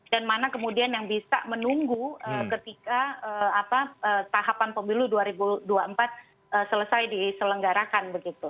dan mana kemudian yang bisa menunggu ketika tahapan pemilu dua ribu dua puluh empat selesai diselenggarakan begitu